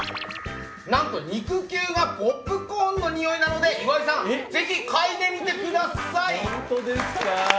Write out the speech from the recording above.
何と、肉球がポップコーンのにおいなので岩井さん、ぜひかいでみてください。